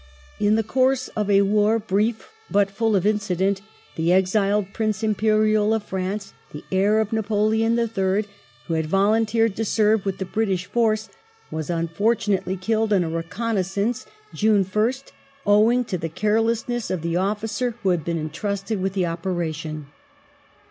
In the coui"se of a war, brief but full of incident, the exiled Prince Imperial of France, the heir of Napoleon III., who had volunteered to sei^e with the British force, was unfortunately killed in a reconnaissance (June 1st), owing to the carelessness of the officer who had been entrusted with the operation.